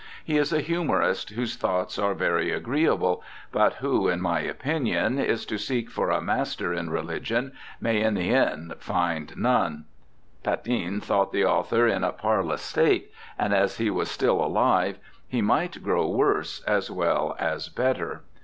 He is a humorist whose thoughts are very agreeable, but who, in my opinion, is to seek for a master in religion may in the end find none.' Patin thought the author in a parlous state, and as he was still alive he might grow worse as well as better.